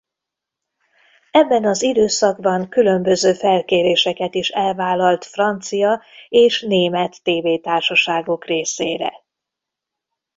Ebben az időszakban különböző felkéréseket is elvállalt francia és német tévétársaságok részére.